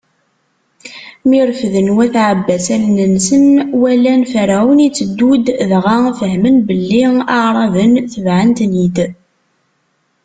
Mi refden wat Ɛebbas allen-nsen, walan Ferɛun itteddu-d, dɣa fehmen belli Iɛraben tebɛen-ten-id.